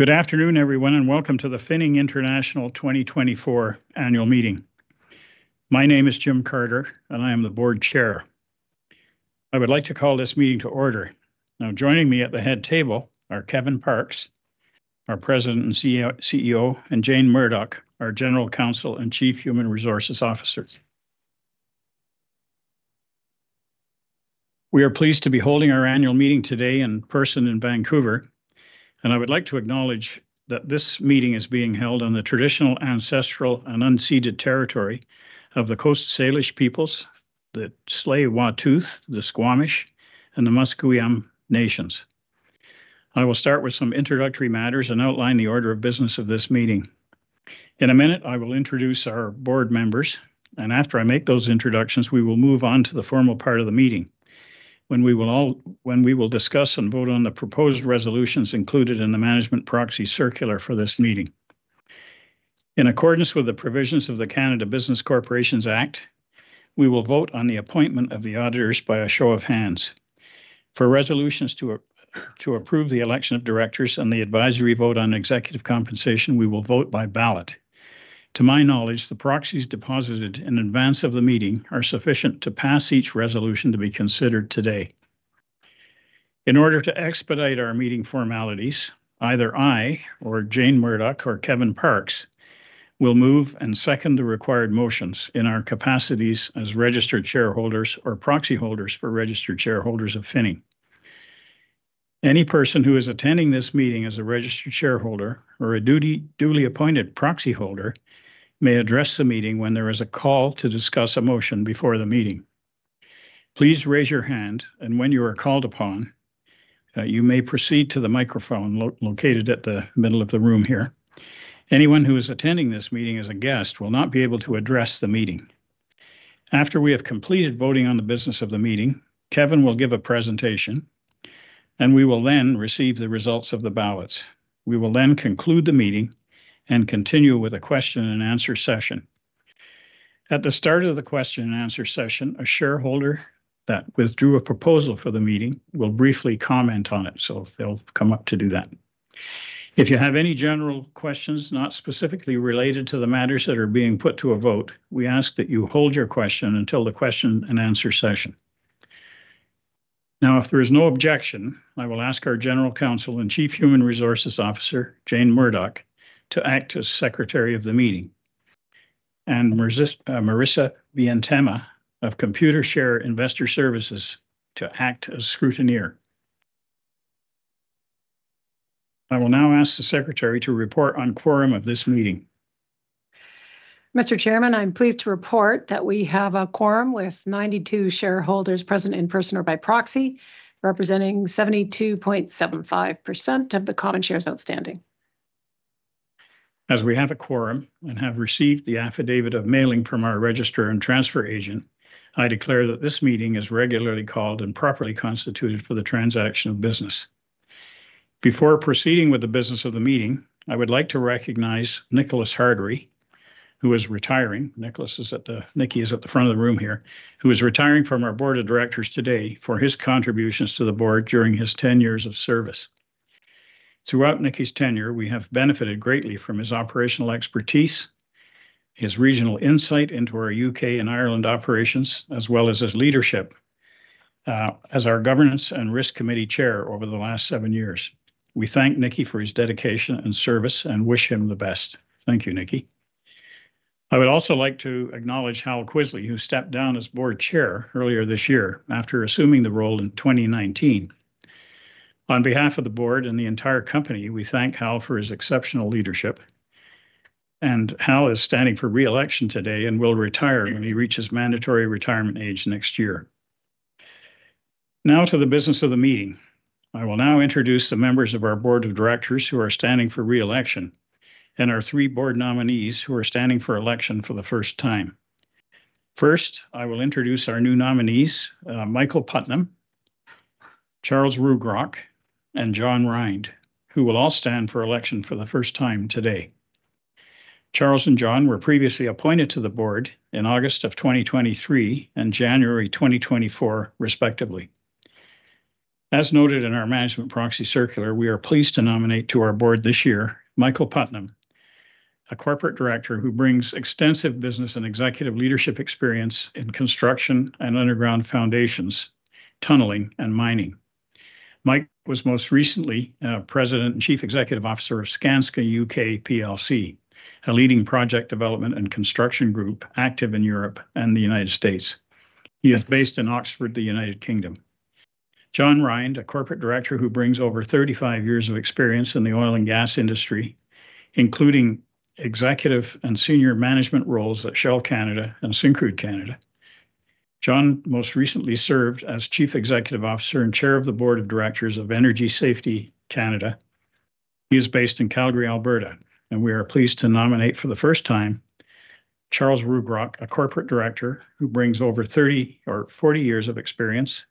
Good afternoon, everyone, and welcome to the Finning International 2024 Annual Meeting. My name is James Carter, and I am the Board Chair. I would like to call this meeting to order. Now, joining me at the head table are Kevin Parkes, our President and CEO, and Jane Murdoch, our General Counsel and Chief Human Resources Officer. We are pleased to be holding our annual meeting today in person in Vancouver, and I would like to acknowledge that this meeting is being held on the traditional, ancestral, and unceded territory of the Coast Salish peoples, the Tsleil-Waututh, the Squamish, and the Musqueam nations. I will start with some introductory matters and outline the order of business of this meeting. In a minute, I will introduce our board members, and after I make those introductions, we will move on to the formal part of the meeting, when we will discuss and vote on the proposed resolutions included in the Management Proxy Circular for this meeting. In accordance with the provisions of the Canada Business Corporations Act, we will vote on the appointment of the auditors by a show of hands. For resolutions to approve the election of directors and the advisory vote on executive compensation, we will vote by ballot. To my knowledge, the proxies deposited in advance of the meeting are sufficient to pass each resolution to be considered today. In order to expedite our meeting formalities, either I or Jane Murdoch or Kevin Parkes will move and second the required motions in our capacities as registered shareholders or proxy holders for registered shareholders of Finning. Any person who is attending this meeting as a registered shareholder or a duly appointed proxy holder may address the meeting when there is a call to discuss a motion before the meeting. Please raise your hand, and when you are called upon, you may proceed to the microphone located at the middle of the room here. Anyone who is attending this meeting as a guest will not be able to address the meeting. After we have completed voting on the business of the meeting, Kevin will give a presentation, and we will then receive the results of the ballots. We will then conclude the meeting and continue with a question and answer session. At the start of the question and answer session, a shareholder that withdrew a proposal for the meeting will briefly comment on it, so they'll come up to do that. If you have any general questions not specifically related to the matters that are being put to a vote, we ask that you hold your question until the question and answer session. Now, if there is no objection, I will ask our General Counsel and Chief Human Resources Officer, Jane Murdoch, to act as secretary of the meeting, and Marisa Vintem of Computershare Investor Services to act as scrutineer. I will now ask the secretary to report on quorum of this meeting. Mr. Chairman, I'm pleased to report that we have a quorum with 92 shareholders present in person or by proxy, representing 72.75% of the common shares outstanding. As we have a quorum and have received the affidavit of mailing from our registrar and transfer agent, I declare that this meeting is regularly called and properly constituted for the transaction of business. Before proceeding with the business of the meeting, I would like to recognize Nicholas Hartery, who is retiring. Nicholas is at the, Nicky is at the front of the room here, who is retiring from our board of directors today for his contributions to the board during his ten years of service. Throughout Nicky's tenure, we have benefited greatly from his operational expertise, his regional insight into our U.K. and Ireland operations, as well as his leadership, as our Governance and Risk Committee chair over the last seven years. We thank Nicky for his dedication and service and wish him the best. Thank you, Nicky. I would also like to acknowledge Hal Kvisle, who stepped down as Board Chair earlier this year after assuming the role in 2019. On behalf of the board and the entire company, we thank Hal for his exceptional leadership, and Hal is standing for re-election today and will retire when he reaches mandatory retirement age next year. Now to the business of the meeting. I will now introduce the members of our board of directors who are standing for re-election and our three board nominees who are standing for election for the first time. First, I will introduce our new nominees, Michael Putnam, Charles Ruigrok, and John Rhind, who will all stand for election for the first time today. Charles and John were previously appointed to the board in August of 2023 and January 2024, respectively. As noted in our Management Proxy Circular, we are pleased to nominate to our board this year Michael Putnam, a corporate director who brings extensive business and executive leadership experience in construction and underground foundations, tunneling, and mining. Mike was most recently President and Chief Executive Officer of Skanska U.K. Plc, a leading project development and construction group active in Europe and the United States. He is based in Oxford, the United Kingdom. John Rhind, a corporate director who brings over 35 years of experience in the oil and gas industry, including executive and senior management roles at Shell Canada and Syncrude Canada. John most recently served as Chief Executive Officer and Chair of the Board of Directors of Energy Safety Canada. He is based in Calgary, Alberta, and we are pleased to nominate for the first time Charles Ruigrok, a corporate director who brings over 30 or 40 years of experience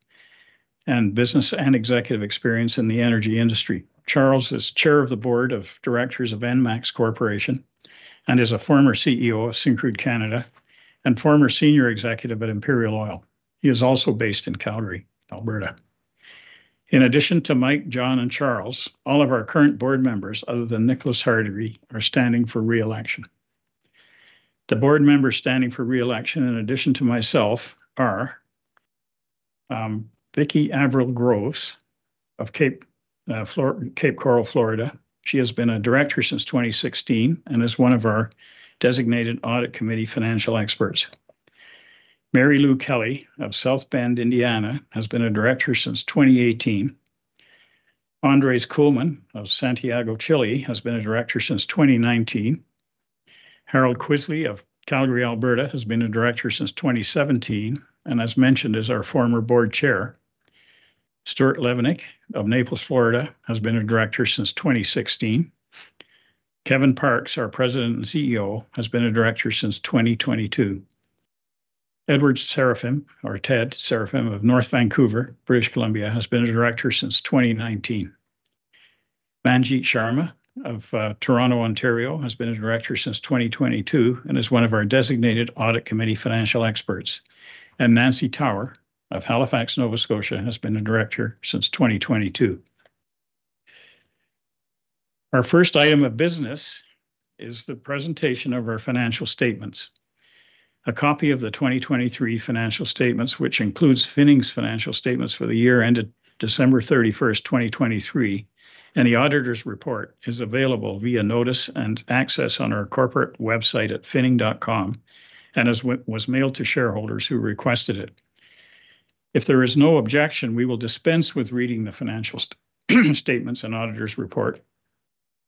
and business and executive experience in the energy industry. Charles is chair of the board of directors of Enmax Corporation and is a former CEO of Syncrude Canada and former senior executive at Imperial Oil. He is also based in Calgary, Alberta. In addition to Mike, John, and Charles, all of our current board members, other than Nicholas Hartery, are standing for re-election. The board members standing for re-election, in addition to myself, are Vicki Avril-Groves of Cape Coral, Florida. She has been a director since 2016 and is one of our designated Audit Committee financial experts. Mary Lou Kelley of South Bend, Indiana, has been a director since 2018. Andres Kuhlmann of Santiago, Chile, has been a director since 2019. Hal Kvisle of Calgary, Alberta, has been a director since 2017, and as mentioned, is our former board chair. Stuart Levenick of Naples, Florida, has been a director since 2016. Kevin Parkes, our President and CEO, has been a director since 2022. Edward Seraphim, or Ted Seraphim, of North Vancouver, British Columbia, has been a director since 2019. Manjit Sharma of Toronto, Ontario, has been a director since 2022 and is one of our designated audit committee financial experts. And Nancy Tower of Halifax, Nova Scotia, has been a director since 2022. Our first item of business is the presentation of our financial statements. A copy of the 2023 financial statements, which includes Finning's financial statements for the year ended December 31st, 2023, and the auditor's report, is available via notice and access on our corporate website at finning.com and was mailed to shareholders who requested it. If there is no objection, we will dispense with reading the financial statements and auditor's report,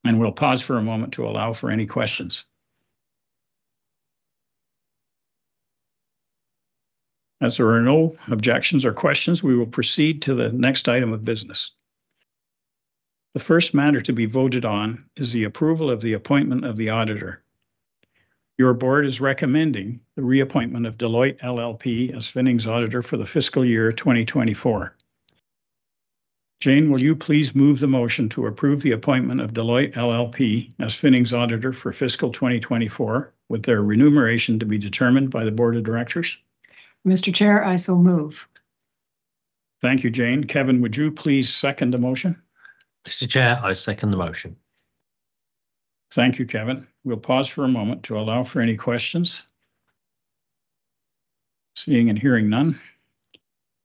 and we'll pause for a moment to allow for any questions. As there are no objections or questions, we will proceed to the next item of business. The first matter to be voted on is the approval of the appointment of the auditor. Your board is recommending the reappointment of Deloitte LLP as Finning's auditor for the fiscal year 2024. Jane, will you please move the motion to approve the appointment of Deloitte LLP as Finning's auditor for fiscal 2024, with their remuneration to be determined by the board of directors? Mr. Chair, I so move. Thank you, Jane. Kevin, would you please second the motion? Mr. Chair, I second the motion. Thank you, Kevin. We'll pause for a moment to allow for any questions. Seeing and hearing none,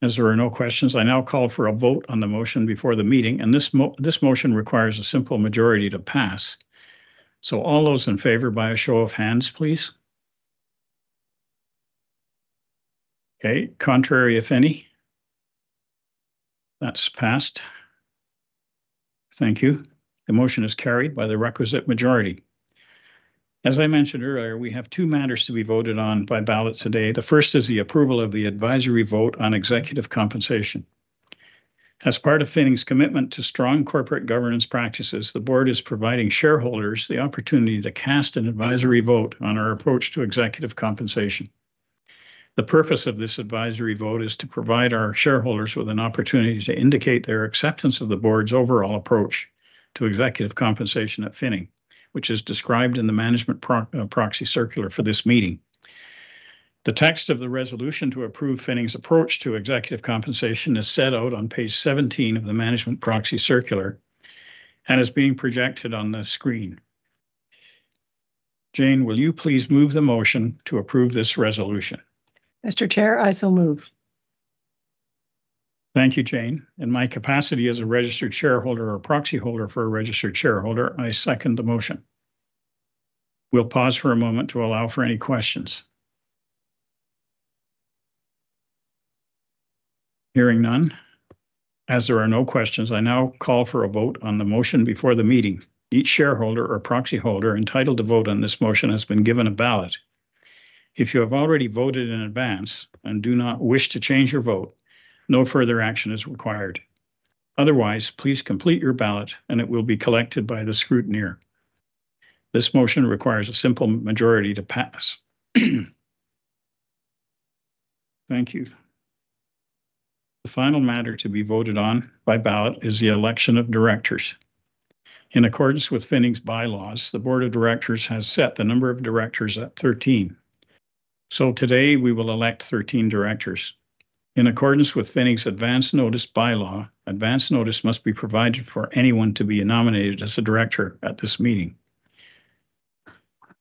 as there are no questions, I now call for a vote on the motion before the meeting, and this motion requires a simple majority to pass. So all those in favor by a show of hands, please. Okay, contrary, if any? That's passed. Thank you. The motion is carried by the requisite majority. As I mentioned earlier, we have two matters to be voted on by ballot today. The first is the approval of the Advisory Vote on Executive Compensation. As part of Finning's commitment to strong corporate governance practices, the board is providing shareholders the opportunity to cast an advisory vote on our approach to executive compensation. The purpose of this advisory vote is to provide our shareholders with an opportunity to indicate their acceptance of the board's overall approach to executive compensation at Finning, which is described in the management proxy circular for this meeting. The text of the resolution to approve Finning's approach to executive compensation is set out on page 17 of the management proxy circular and is being projected on the screen. Jane, will you please move the motion to approve this resolution? Mr. Chair, I so move. Thank you, Jane. In my capacity as a registered shareholder or proxyholder for a registered shareholder, I second the motion. We'll pause for a moment to allow for any questions. Hearing none, as there are no questions, I now call for a vote on the motion before the meeting. Each shareholder or proxyholder entitled to vote on this motion has been given a ballot. If you have already voted in advance and do not wish to change your vote, no further action is required. Otherwise, please complete your ballot, and it will be collected by the scrutineer. This motion requires a simple majority to pass. Thank you. The final matter to be voted on by ballot is the election of directors. In accordance with Finning's bylaws, the board of directors has set the number of directors at 13, so today we will elect 13 directors. In accordance with Finning's Advance Notice Bylaw, advance notice must be provided for anyone to be nominated as a director at this meeting.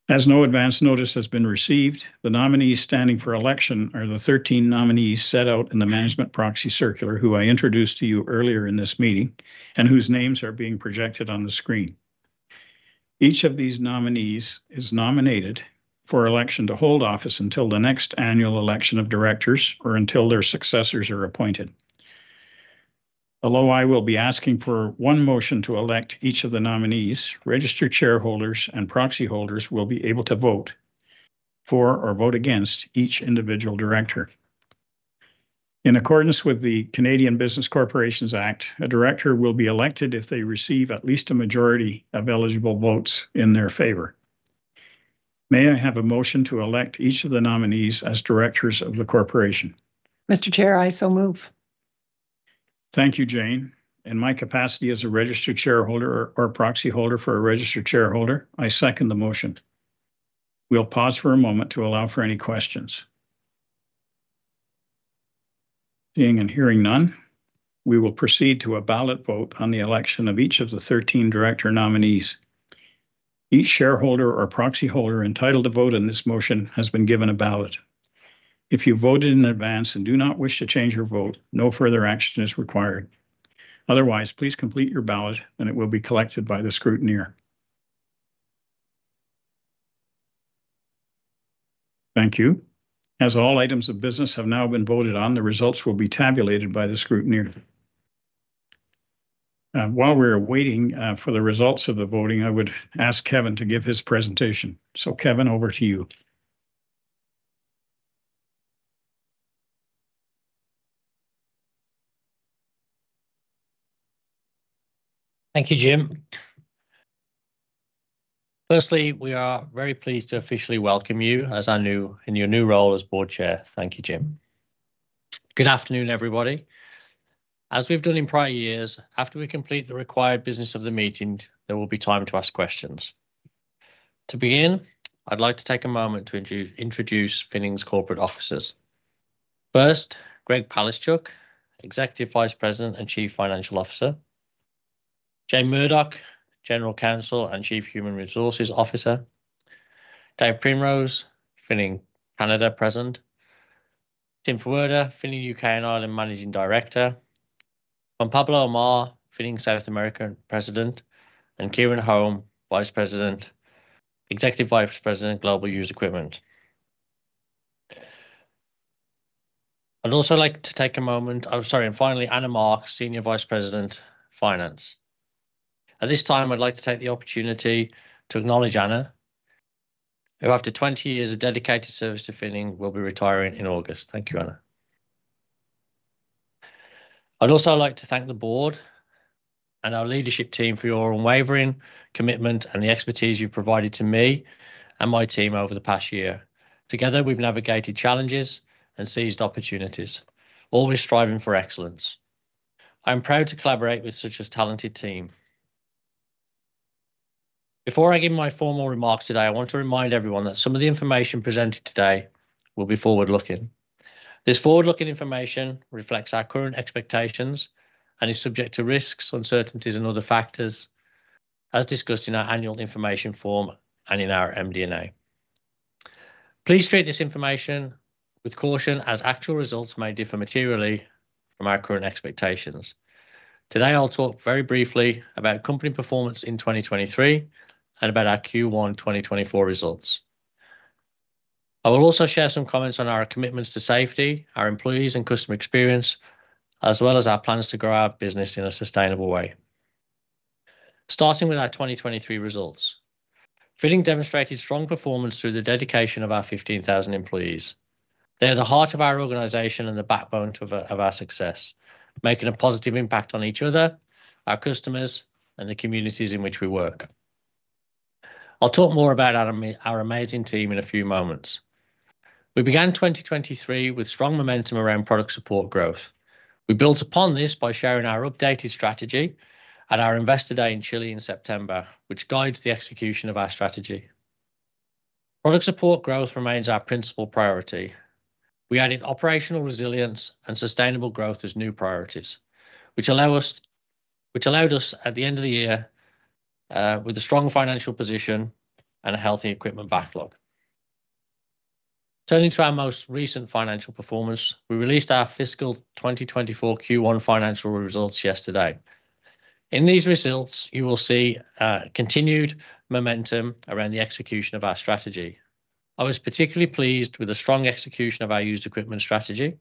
As no advance notice has been received, the nominees standing for election are the 13 nominees set out in the Management Proxy Circular, who I introduced to you earlier in this meeting, and whose names are being projected on the screen. Each of these nominees is nominated for election to hold office until the next annual election of directors or until their successors are appointed. Although I will be asking for one motion to elect each of the nominees, registered shareholders and proxyholders will be able to vote for or vote against each individual director. In accordance with the Canada Business Corporations Act, a director will be elected if they receive at least a majority of eligible votes in their favor. May I have a motion to elect each of the nominees as directors of the corporation? Mr. Chair, I so move. Thank you, Jane. In my capacity as a registered shareholder or proxy holder for a registered shareholder, I second the motion. We'll pause for a moment to allow for any questions. Seeing and hearing none, we will proceed to a ballot vote on the election of each of the 13 director nominees. Each shareholder or proxy holder entitled to vote in this motion has been given a ballot. If you voted in advance and do not wish to change your vote, no further action is required. Otherwise, please complete your ballot and it will be collected by the scrutineer. Thank you. As all items of business have now been voted on, the results will be tabulated by the scrutineer. While we're waiting for the results of the voting, I would ask Kevin to give his presentation. So Kevin, over to you. Thank you, Jim. Firstly, we are very pleased to officially welcome you as our new in your new role as Board Chair. Thank you, Jim. Good afternoon, everybody. As we've done in prior years, after we complete the required business of the meeting, there will be time to ask questions. To begin, I'd like to take a moment to introduce Finning's corporate officers. First, Greg Palaschuk, Executive Vice President and Chief Financial Officer; Jane Murdoch, General Counsel and Chief Human Resources Officer; Dave Primrose, Finning Canada President; Tim Ferwerda, Finning U.K. and Ireland Managing Director; Juan Pablo Amar, Finning South America President, and Kieran Holm, Executive Vice President, Global Used Equipment. I'd also like to take a moment, and finally, Anna Marks, Senior Vice President, Finance. At this time, I'd like to take the opportunity to acknowledge Anna, who, after 20 years of dedicated service to Finning, will be retiring in August. Thank you, Anna. I'd also like to thank the board and our leadership team for your unwavering commitment and the expertise you've provided to me and my team over the past year. Together, we've navigated challenges and seized opportunities, always striving for excellence. I'm proud to collaborate with such a talented team. Before I give my formal remarks today, I want to remind everyone that some of the information presented today will be forward-looking. This forward-looking information reflects our current expectations and is subject to risks, uncertainties and other factors, as discussed in our Annual Information Form and in our MD&A. Please treat this information with caution, as actual results may differ materially from our current expectations. Today, I'll talk very briefly about company performance in 2023 and about our Q1 2024 results. I will also share some comments on our commitments to safety, our employees and customer experience, as well as our plans to grow our business in a sustainable way. Starting with our 2023 results, Finning demonstrated strong performance through the dedication of our 15,000 employees. They are the heart of our organization and the backbone to of our success, making a positive impact on each other, our customers, and the communities in which we work. I'll talk more about our amazing team in a few moments. We began 2023 with strong momentum around product support growth. We built upon this by sharing our updated strategy at our Investor Day in Chile in September, which guides the execution of our strategy. Product support growth remains our principal priority. We added operational resilience and sustainable growth as new priorities, which allow us-- which allowed us, at the end of the year, with a strong financial position and a healthy equipment backlog. Turning to our most recent financial performance, we released our fiscal 2024 Q1 financial results yesterday. In these results, you will see, continued momentum around the execution of our strategy. I was particularly pleased with the strong execution of our used equipment strategy,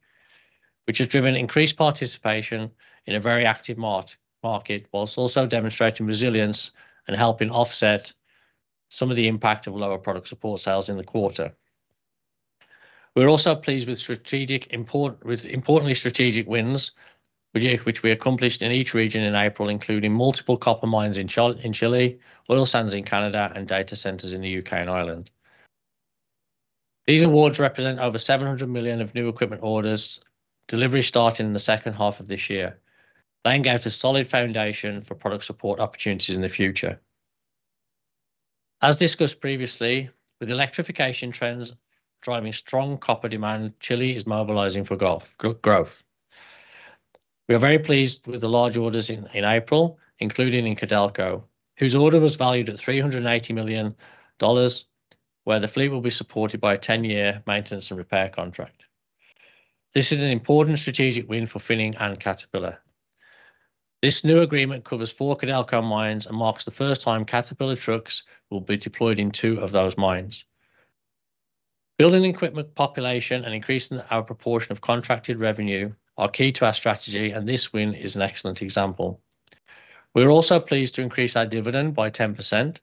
which has driven increased participation in a very active market, whilst also demonstrating resilience and helping offset some of the impact of lower product support sales in the quarter. We're also pleased with importantly strategic wins, which we accomplished in each region in April, including multiple copper mines in Chile, oil sands in Canada, and data centers in the U.K. and Ireland. These awards represent over 700 million of new equipment orders, delivery starting in the second half of this year. They engage a solid foundation for product support opportunities in the future. As discussed previously, with electrification trends driving strong copper demand, Chile is mobilizing for growth. We are very pleased with the large orders in April, including in Codelco, whose order was valued at 380 million dollars, where the fleet will be supported by a 10-year maintenance and repair contract. This is an important strategic win for Finning and Caterpillar. This new agreement covers four Codelco mines and marks the first time Caterpillar trucks will be deployed in two of those mines. Building equipment population and increasing our proportion of contracted revenue are key to our strategy, and this win is an excellent example. We are also pleased to increase our dividend by 10%,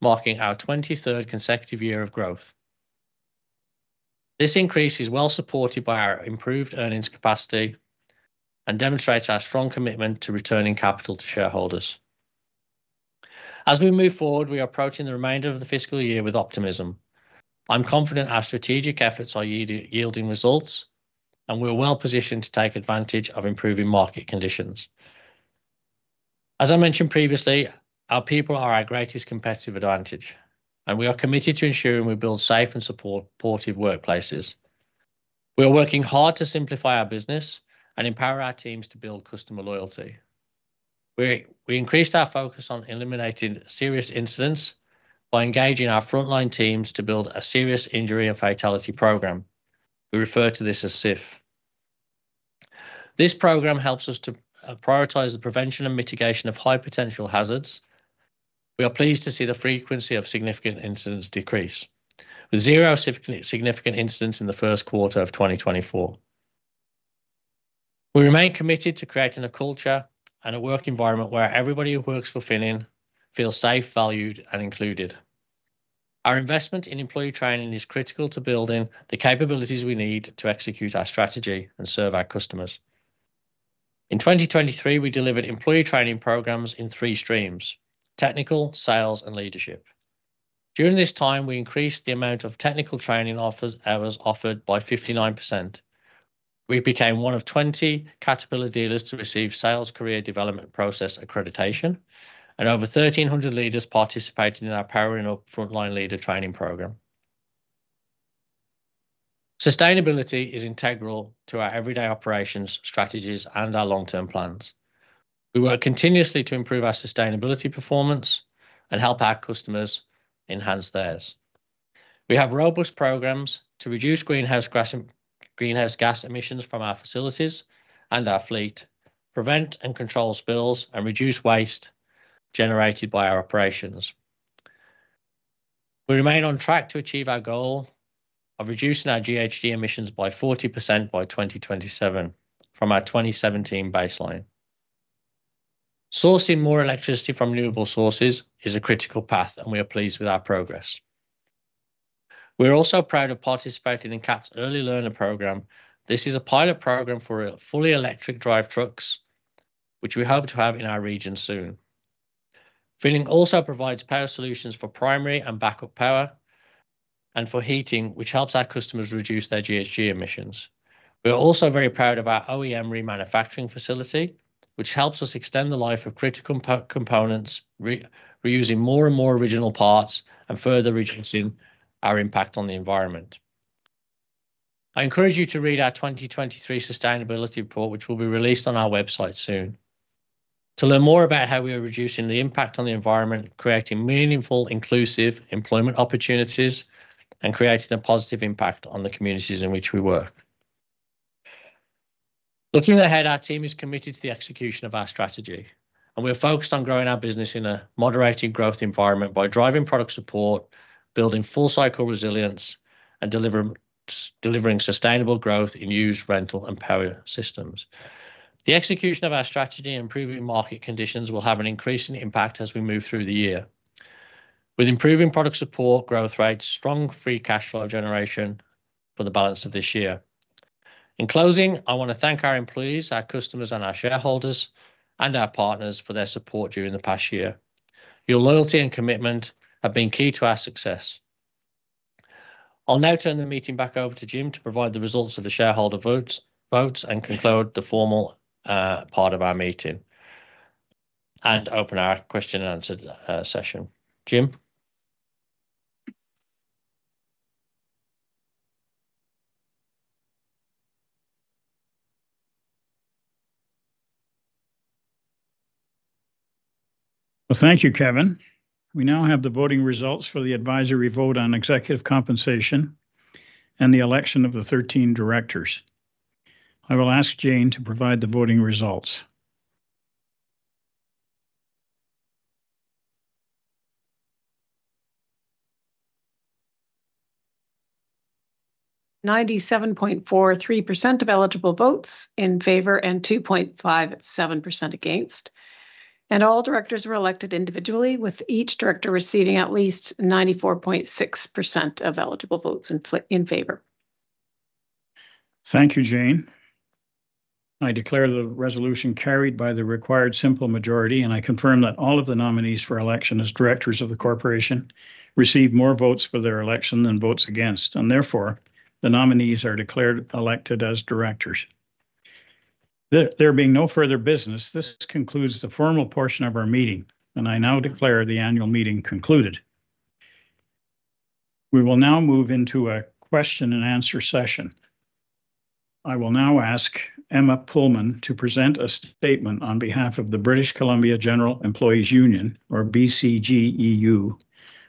marking our 23rd consecutive year of growth. This increase is well supported by our improved earnings capacity and demonstrates our strong commitment to returning capital to shareholders. As we move forward, we are approaching the remainder of the fiscal year with optimism. I'm confident our strategic efforts are yielding results, and we're well-positioned to take advantage of improving market conditions. As I mentioned previously, our people are our greatest competitive advantage, and we are committed to ensuring we build safe and supportive workplaces. We are working hard to simplify our business and empower our teams to build customer loyalty. We increased our focus on eliminating serious incidents by engaging our frontline teams to build a serious injury and fatality program. We refer to this as SIF. This program helps us to prioritize the prevention and mitigation of high-potential hazards. We are pleased to see the frequency of significant incidents decrease, with zero significant incidents in the first quarter of 2024. We remain committed to creating a culture and a work environment where everybody who works for Finning feels safe, valued and included. Our investment in employee training is critical to building the capabilities we need to execute our strategy and serve our customers. In 2023, we delivered employee training programs in three streams: technical, sales, and leadership. During this time, we increased the amount of technical training offered hours offered by 59%. We became one of 20 Caterpillar dealers to receive Sales Career Development Process accreditation, and over 1,300 leaders participated in our Powering Up Frontline Leader training program. Sustainability is integral to our everyday operations, strategies, and our long-term plans. We work continuously to improve our sustainability performance and help our customers enhance theirs. We have robust programs to reduce greenhouse gas emissions from our facilities and our fleet, prevent and control spills, and reduce waste generated by our operations. We remain on track to achieve our goal of reducing our GHG emissions by 40% by 2027 from our 2017 baseline. Sourcing more electricity from renewable sources is a critical path, and we are pleased with our progress. We're also proud of participating in Cat's Early Learner program. This is a pilot program for a fully electric drive trucks, which we hope to have in our region soon. Finning also provides power solutions for primary and backup power and for heating, which helps our customers reduce their GHG emissions. We are also very proud of our OEM remanufacturing facility, which helps us extend the life of critical components, reusing more and more original parts and further reducing our impact on the environment. I encourage you to read our 2023 sustainability report, which will be released on our website soon, to learn more about how we are reducing the impact on the environment, creating meaningful, inclusive employment opportunities, and creating a positive impact on the communities in which we work. Looking ahead, our team is committed to the execution of our strategy, and we are focused on growing our business in a moderated growth environment by driving product support, building full-cycle resilience, and delivering sustainable growth in used rental and power systems. The execution of our strategy and improving market conditions will have an increasing impact as we move through the year, with improving product support, growth rates, strong free cash flow generation for the balance of this year. In closing, I want to thank our employees, our customers, and our shareholders, and our partners for their support during the past year. Your loyalty and commitment have been key to our success. I'll now turn the meeting back over to Jim to provide the results of the shareholder votes and conclude the formal part of our meeting and open our question-and-answer session. Jim? Well, thank you, Kevin. We now have the voting results for the Advisory Vote on Executive Compensation and the election of the 13 directors. I will ask Jane to provide the voting results. 97.43% of eligible votes in favor and 2.57% against, and all directors were elected individually, with each director receiving at least 94.6% of eligible votes in favor. Thank you, Jane. I declare the resolution carried by the required simple majority, and I confirm that all of the nominees for election as directors of the corporation received more votes for their election than votes against, and therefore, the nominees are declared elected as directors. There being no further business, this concludes the formal portion of our meeting, and I now declare the annual meeting concluded. We will now move into a question-and-answer session. I will now ask Emma Pullman to present a statement on behalf of the British Columbia General Employees' Union, or BCGEU,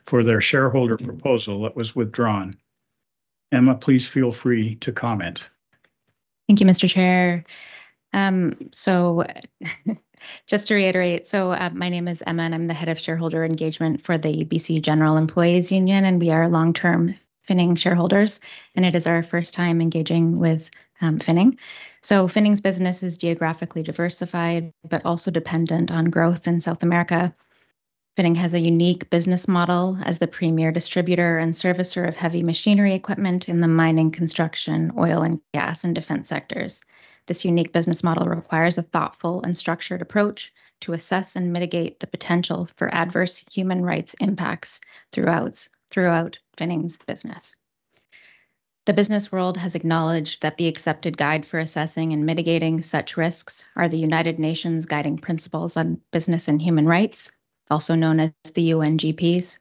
for their shareholder proposal that was withdrawn. Emma, please feel free to comment. Thank you, Mr. Chair. So just to reiterate, my name is Emma, and I'm the head of shareholder engagement for the BC General Employees' Union, and we are long-term Finning shareholders, and it is our first time engaging with Finning. Finning's business is geographically diversified but also dependent on growth in South America. Finning has a unique business model as the premier distributor and servicer of heavy machinery equipment in the mining, construction, oil and gas, and defense sectors. This unique business model requires a thoughtful and structured approach to assess and mitigate the potential for adverse human rights impacts throughout Finning's business. The business world has acknowledged that the accepted guide for assessing and mitigating such risks are the United Nations Guiding Principles on Business and Human Rights, also known as the UNGPs.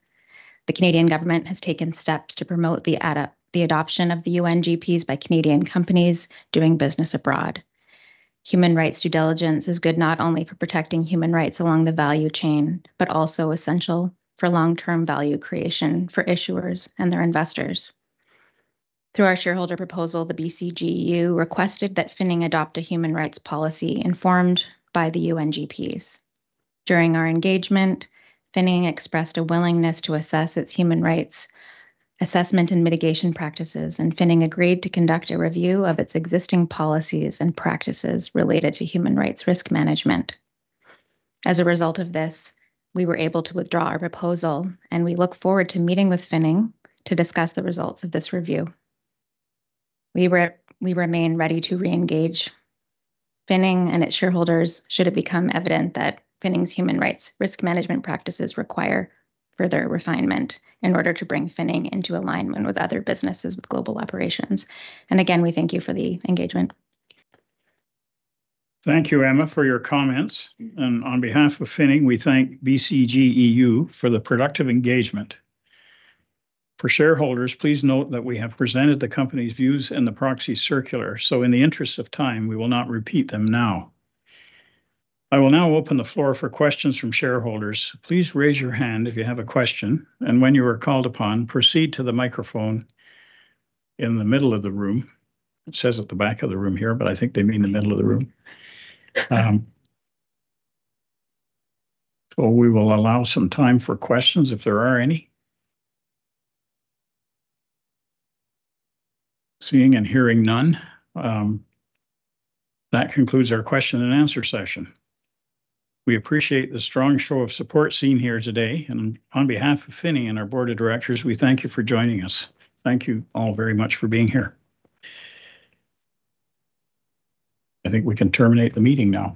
The Canadian government has taken steps to promote the adoption of the UNGPs by Canadian companies doing business abroad. Human rights due diligence is good not only for protecting human rights along the value chain, but also essential for long-term value creation for issuers and their investors. Through our shareholder proposal, the BCGEU requested that Finning adopt a human rights policy informed by the UNGPs. During our engagement, Finning expressed a willingness to assess its human rights assessment and mitigation practices, and Finning agreed to conduct a review of its existing policies and practices related to human rights risk management. As a result of this, we were able to withdraw our proposal, and we look forward to meeting with Finning to discuss the results of this review. We remain ready to engage Finning and its shareholders should it become evident that Finning's human rights risk management practices require further refinement in order to bring Finning into alignment with other businesses with global operations. And again, we thank you for the engagement. Thank you, Emma, for your comments, and on behalf of Finning, we thank BCGEU for the productive engagement. For shareholders, please note that we have presented the company's views in the proxy circular, so in the interest of time, we will not repeat them now. I will now open the floor for questions from shareholders. Please raise your hand if you have a question, and when you are called upon, proceed to the microphone in the middle of the room. It says at the back of the room here, but I think they mean the middle of the room. So, we will allow some time for questions if there are any. Seeing and hearing none, that concludes our question-and-answer session. We appreciate the strong show of support seen here today, and on behalf of Finning and our board of directors, we thank you for joining us. Thank you all very much for being here. I think we can terminate the meeting now.